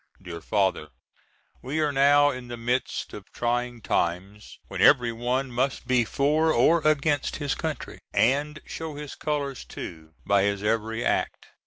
DEAR FATHER: We are now in the midst of trying times when every one must be for or against his country, and show his colors too, by his every act.